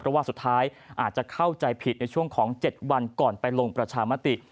เพราะว่าสุดท้ายอาจจะเข้าใจผิดในช่วงของ๗วันก่อนไปลงประชามติ